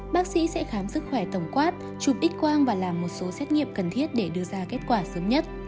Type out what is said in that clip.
bác sĩ sẽ khám sức khỏe tổng quát chụp x quang và làm một số xét nghiệm cần thiết để đưa ra kết quả sớm nhất